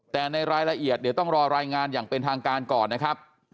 แต่ในรายละเอียดเดี๋ยวต้องรอรายงานอย่างเป็นทางการก่อนนะครับ